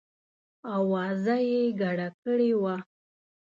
آوازه یې ګډه کړې وه.